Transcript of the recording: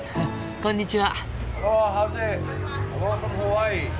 こんにちは。